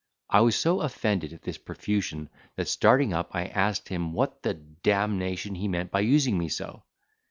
I was so offended at this profusion that starting up, I asked him what the d—l he meant by using me so?